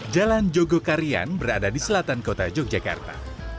jalan jogokarian berada di selatan kota yogyakarta